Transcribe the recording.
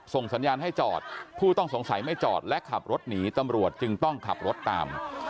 ส่งสัญญาณให้จอดผู้ต้องสงสัยไม่จอดและขับรถหนีตำรวจจึงต้องขับรถตาม